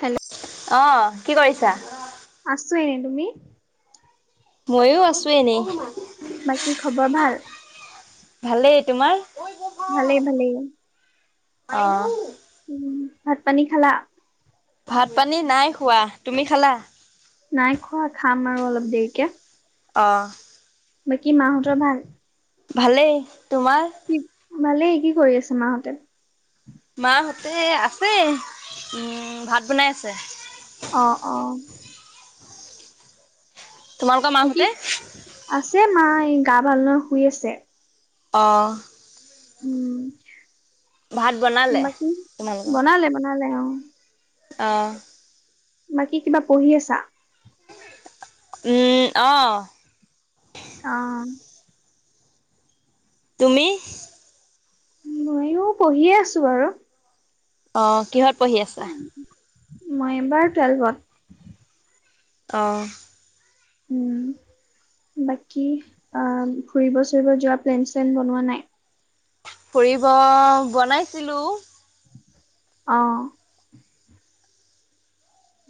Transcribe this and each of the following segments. Hello অ'কি কৰিছা? [unintelligible] তুমি? মইও আছো এনেই। বাকী খবৰ ভাল ভালেই। তোমাৰ? ভালেই, ভালেই। অ। উম, ভাত পানী খালা? ভাত পানী নাই খোৱা তুমি খালা? নাই খোৱা খাম আৰু অলপ দেৰিকে। অ। বাকী মাহঁতৰ ভাল? ভালেই। তোমাৰ? কি ভালেই। কি কৰি আছে মাহঁতে? মাহঁতে আছে। উম, ভাত বনাই আছে। অ অ তোমালোকৰ মাহঁতে? [unintelligible] আছে মা গা ভাল নহয় শুই আছে। অ। উম। ভাত বনালে? বাকী তোমালোকৰ? বনালে, বনালে অ'। অ'। বাকী কিবা পঢ়ি আছা? উম, অ। অ'। তুমি? মইও পঢ়িয়ে আছো বাৰু। অ', কিহত? পঢ়ি আছা? মই এবাৰ টুৱেলভত। অ'। উম। বাকী অ ফুৰিব-চুৰিব যোৱা প্লেন- চিলেন বনোৱা নাই? ফুৰিব বনাইছিলো অ'।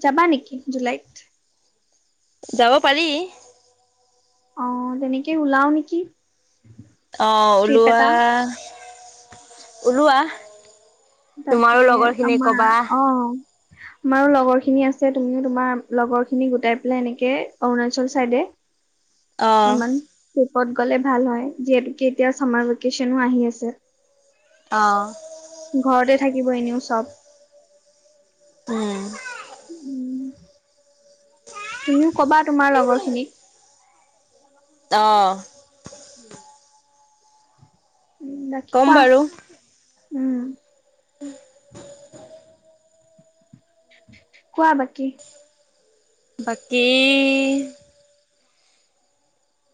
যাবা নেকি জুলাইত? যাব পাৰি। অ, তেনেকে ওলাওঁ নেকি অ, ট্ৰিপ ওলোৱা। এটা ওলোৱা। তাকে তোমাৰো লগৰখিনিক আমাৰ ক'বা। অ, আমাৰো লগৰখিনি আছে তুমিওঁ তোমাৰ লগৰখিনি গোটাই পেলে এনেকে অৰুণাচল চাইদে অ'। অনমান পুব ক'ত গলে ভাল হয় যিহেতুকে এতিয়া চামাৰ ভেকেচনো আহি আছে। অ', ঘৰতে থাকিব এনেও। চব। উম, [unintelligible] উম তুমিও কবা তোমাৰ লগৰ খিনি অ', উম বাকী ক'ম কোৱা বাৰু। উম, উম, [unintelligible] কোৱা বাকী? বাকী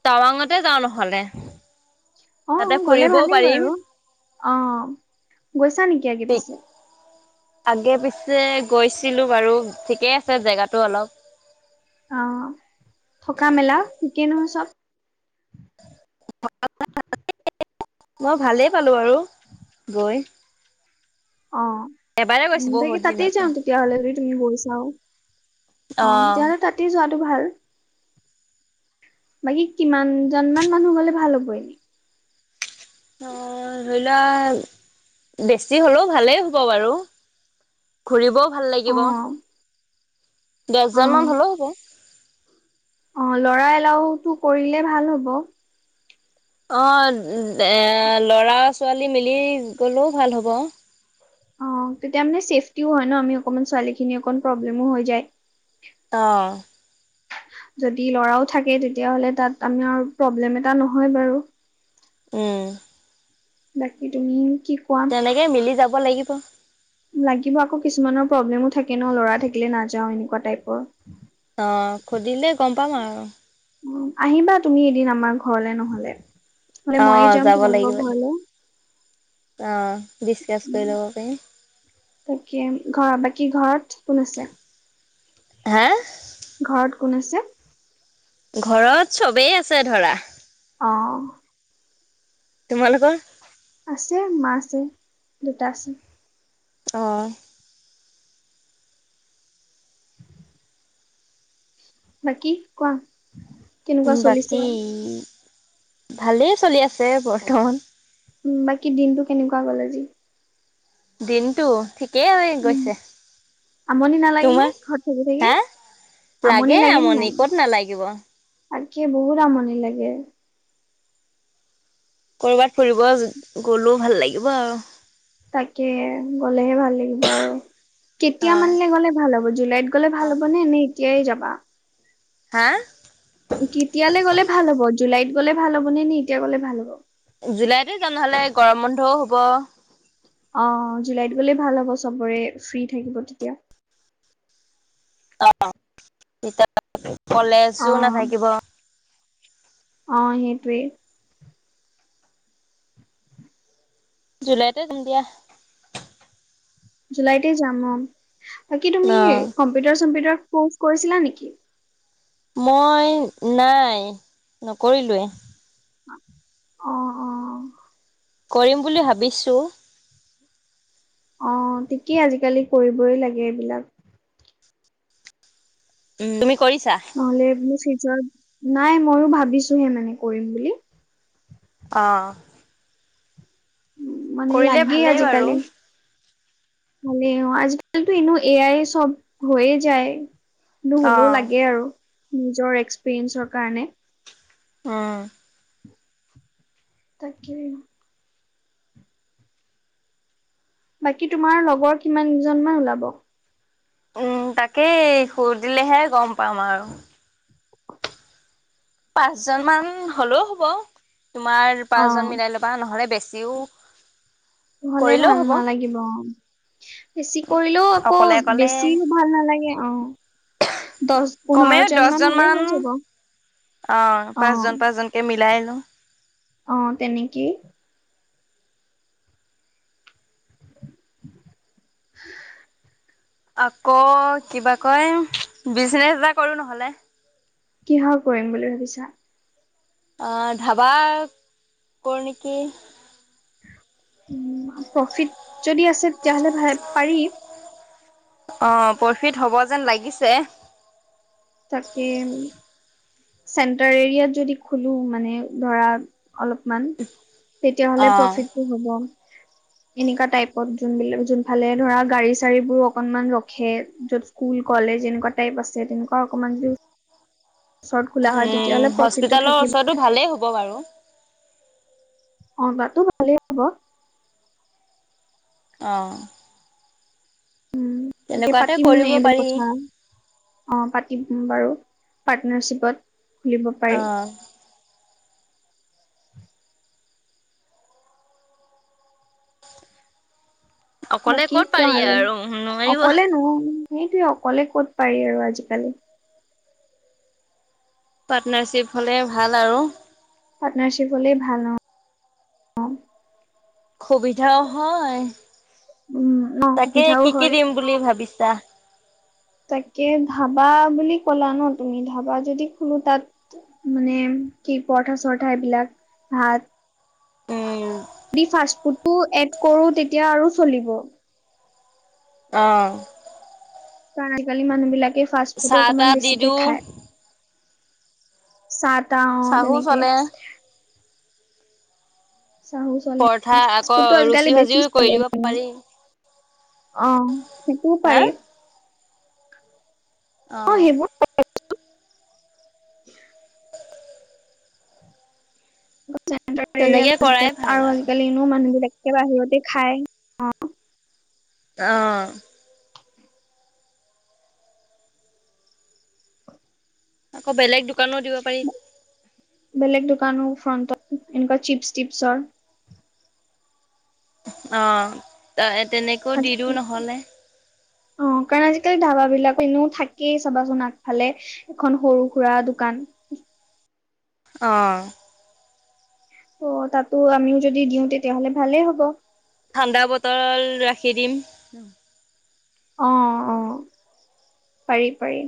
টাৱাঙতে যাওঁ নহ'লে। তাতে অ', গ'লে ফুৰিবও ভালেই পাৰিম। বাৰু, অ, গৈছা নেকি, আগে পিছে? আগে পিছে গৈছিলো বাৰু, ঠিকেই আছে জেগাটো অলপ। অ', থকা মেলা ঠিকেই ন' চব? মই ভালেই পালো আৰু, গৈ। অ', এবাৰে গৈছো উম তাকে বহুত তাতেই দিনতে। যাওঁ তেতিয়াহলে যদি তুমি গৈ চাওঁ। অ', তেতিয়াহ'লে তাতে যোৱা তো ভাল। বাকী কিমানজন মান মানুহ গ'লে ভাল হ'ব এনে? অ', ধৰি লোৱা, বেছি হলেও ভালেই হ'ব বাৰু, ঘুৰিব ভাল অ লাগিব। দশ অ হাজাৰ মান হ'লেও হ'ব। অ', ল'ৰা এলাও কৰিলেটো ভাল হ'ব। অ', এ ল'ৰা ছোৱালী মিলি গলেও ভাল হ'ব। অ', তেতিয়া মানে ছেফটিও হয় ন' আমি অকমান ছোৱালীখিনি অকণ প্ৰব্লেমো হৈ যায়। অ', যদি ল'ৰাও থাকে তেতিয়াাহলে তাত আমাৰ, প্ৰব্লেম এটা নহয় বাৰু। উম, বাকী তুমি কি কোৱা তেনেকে মিলি যাব ব লাগিব। লাগিব আকৌ কিছুমানৰ প্ৰব্লেমো থাকে ন ল'ৰা থাকিলে নাযাওঁ এনেকুৱা টাইপৰ। অ সুধিলে গম পাম আৰু। উম আহিবা তুমি এদিন আমাৰ ঘৰলে নহলে। নহ'লে ময়ে অহ যাম যাব তোমালোকৰ লাগিব ঘৰলে অহ ডিচকাচ উম কৰি ল'ব পাৰিম কি ঘৰত কোন আছে। হা। ঘৰত কোন আছে। ঘৰত চবেই আছে ধৰা। আহ। তোমালোকৰ। আছে মা আছে, দেতা আছে। অ। বাকী কোৱা। কেনেকুৱা চলিছে বাকী। ভালেই চলি আছে বৰ্তমান। উম বাকী দিনটো কেনেকুৱা গ'ল আজি। দিনটো ঠিক কেই হৈ উম গৈছে। আমনি নালাগে নে তোমাৰ, ঘৰত থাকি থাকি হা, আমনি লাগে আমনি ক'ত নালাগিব। তাকি বহুত আমনি লাগে। কৰবাত ফুৰিব -গলোও ভাল লাগিব আৰু। তাকে গ'লেহে ভাল লাগিব আৰু, কেতিয়া অ মানিলে গ'লে ভাল হ'ব জুলাইত গ'লে ভাল হ'ব নে নে কিয়েই যাবা। হা। কেতিয়ালৈ গ'লে ভাল হ'ব জুলাইত গ'লে ভাল হব নে নি এতিয়া গ'লে ভাল হ'ব। জুলাইতে যাম নহলে, গৰম বন্ধও হ'ব। অ জুলাইত গ'লেই ভাল হ'ব চবৰে ফ্ৰী থাকিব তেতিয়া। [unintelligible] কলেজো অ নাথাকিব। অ সেটোৱে। জুলাইতে যাম দিয়া। জুলাইতে যাম অ। বাকী ন তুমি কম্পিউটাৰ চম্পিউটাৰ কৰ্চ কৰিছিলা নেকি? মই নাই নকৰিলোৱে। অ অ। কৰিম বুলি ভাবিছো। অ ঠিকেই আজিকালি কৰিবই লাগে এইবিলাক। উম তুমি কৰিছা নহ'লে মোৰ চি নাই ময়ো ভাবিছোহে মানে কৰিম বুলি। অ' মানে কৰিলে লাগেই ভালেই বাৰু আজিকালি। ভালে অঁ, আজি কালিটো এনেও এ আই চব হৈয়ে যায়। মোৰ অ হ'লেও লাগে আৰু। নিজৰ এক্সপিৰিয়েঞ্চৰ কাৰণে। অ' তাকে। বাকী তোমাৰ লগৰ কিমানজনমান ওলাব। উম তাকেই সুধিলেহে গম পাম আৰু। পাঁচ জনমান হ'লেও হ'ব। তোমাৰ পাঁচজন মিলাই ল'বা, নহলে বে [unintelligible] হ'লে ভাল নালাগিব অঁ। বেচি কৰিলেও আকৌ অকলে অকলে বেছিও ভাল নালাগে অ', দশ পোন্ধৰ কমেও জন মান দহজন হ'লেও হৈ যাব, অ অ'। পাঁচজন পাঁচজনকে [unintelligible] অঁ, তেনেকেই। [inaudible] আকৌ কিবা কয়, বিজনেচ এটা কৰো নহ'লে। কিহৰ কৰিম বুলি ভাবিছা। অঁ ধাবা কৰো নেকি। উম প্ৰফিট যদি আছে, তেতিয়াহ'লে ভাল পাৰি। অঁ প্ৰফিট হ'ব যেন লাগিছে। তাকে। চেণ্টাৰ এৰিয়াত যদি খুলো মানে ধৰা অলপমান, তেতিয়াহ'লে অ'। প্ৰফিটটো হ'ব। এনেকুৱা টাইপত, যোনবিলাক যোন ফালে ধৰা গাড়ী চাৰী বোৰ অকনমান ৰখে, য'ত স্কুল কলেজ এনেকুৱা টাইপ আছে তেনেকুৱা অঁ অকমান ওচৰত খোলা হয় উম তেতিয়াহ'লে প্ৰফিটটো হস্পিতালৰ থাকিব ওচৰতটো ভালেই হ'ব হ'ব বাৰু। অঁ তাতটো ভালেই হ'ব। অঁ উম তাকে পাতিম কৰিব এইবোৰ পাৰি। কথা, অ' পাতিম বাৰু। পাৰ্টনাৰশ্বিপত খুলিব পাৰি। অ' অকলে বাকী ক'ত কোৱা পাৰি আৰু নোৱাৰিব। অকলে নো সেইটোৱে অকলে ক'ত পাৰি আৰু আজিকালি। পাৰ্টনাৰশ্বিপ হ'লে ভাল আৰু। পাৰ্টনাৰশ্বিপ হলে ভাল অ, সুবিধাও হয়। উম অ, তাকে সুবিধাও কি কি হয়, দিম বুলি ভাবিছা? তাকে। ধাবা বুলি কলা ন' তুমি ধাবা যদি খোলো তাত, মানে কি পৰঠা চৰঠা এইবিলাক ভাত। উম। যদি ফাষ্ট ফুডটো এড কৰো তেতিয়া আৰু চলিব। অ, কাৰণ আজিকালি মানুহ বিলাকে ফাষ্ট ফুডো চাহ অকণমান তাহ দি বেছিকে দিওঁ। খায়। চাহ টাহ চাহো তেনেকে। চলে। চাহো চলে, পৰঠা আকৌ ফাষ্টফুডটো আজিকালি ৰুচি বেছি ভাজিও কৰি চলে দিব ন' পাৰি অ, সেইটোও হা পাৰি। অ', সেইবোৰ [unintelligible] [unintelligible] চেণ্টাৰ তেনেকে এৰিয়াত কৰাই আজিকালি ভাল আৰু আজিকালি এনো মানুহ বিলাক এ বাহিৰতে খায় অ, অ', আকৌ বেলেগ দোক দোকানো দিব পাৰি। ফ্ৰণ্টত এনেকুৱা চিপছ টিপছৰ অ, এ- এত তেনেকৈও দি দিওঁ নহলে। কেই ধাবাবিলাক এনো থাকেই চাবাচোন আগফালে এখন সৰু-সুৰা দোকান। অ', অ, তাতো আমিও যদি দিওঁ তেতিয়াহ'লে ভালেই হ'ব। ঠাণ্ডা বটল ৰাখি দিম। অ', অ', পাৰি-পাৰি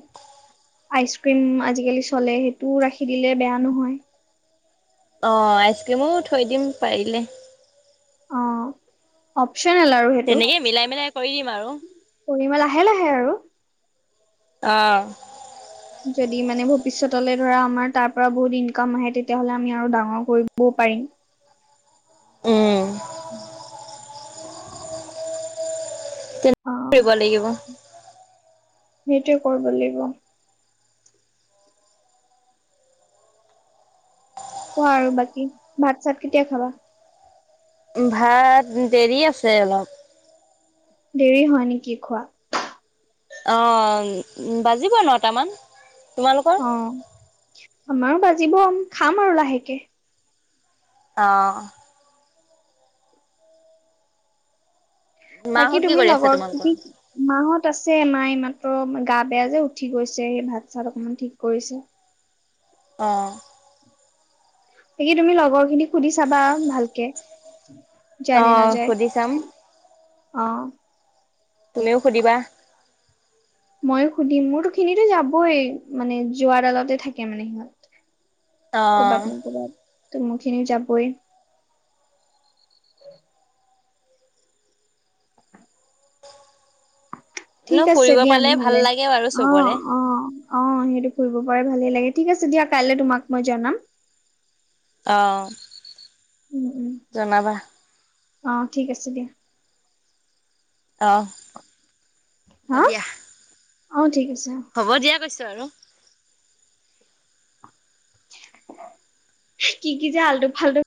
আইচক্ৰীম আজিকালি চলে সেইটোও ৰাখি দিলে বেয়া নহয়। অ, আইচক্ৰীমো থৈ দিম পাৰিলে। অ, হ'ব অপচনেল আৰু সেইটো তেনেকে মিলাই মিলাই কৰি দিম আৰু। কৰিম আৰু লাহে-লাহে আৰু। অ', যদি মানে ভৱিষ্যতলৈ ধৰা আমাৰ তাৰ পৰা বহুত ইনকাম আহে তেতিয়াহ'লে আমি আৰু ডাঙৰ কৰিবও পাৰিম। উম, তেনেকে অ', কৰিব লাগিব। সেইটোৱে কৰিব লাগিব। কোৱা আৰু বাকী ভাত চাত কেতিয়া খাবা? ভাত দেৰি আছে অলপ দেৰি হয়নেকি খোৱা অ', বাজিব নটামান তোমালোকৰ অ', আমাৰো বাজিব খাম আৰু লাহেকে আহ বাকী মাহঁত কি তুমি কৰি আছে লগৰ, তোমালোকৰ? মাহত আছে মাই ম মাৰ গা বেয়া যে, উঠি গৈছে সেই ভাত চাত অকমান ঠিক কৰিছে। অ', বাকী তুমি লগৰ খিনিক সুধি চাবা ভালকে, যায় নে অ', নাযায়। সুধি চাম। অ', তুমিও সুধিবা ময়ো সুধিম, মোৰ খিনিতো যাবই, মানে যোৱাৰ আগতে থাকে মানে সিহঁত। অ কবাত নহয় কবাত। টো মোৰ খিনি যাবই। ন ঠিক আছে ফুৰিব দিয়া পালে ভাল নহলে, লাগে বাৰু অ', চবৰে অ', অ', সেইটো ফুৰিব পাৰা ভালেই লাগে, ঠিক আছে দিয়া কাইলে তোমাক মই জনাম। অহ। উম উম জনাবা। অ', ঠিক আছে দিয়া। অ', হা দিয়া। অ', ঠিক আছে। হ'ব দিয়া কৈছোঁ। আৰু কি কি যে আল্টু ফাল্টু।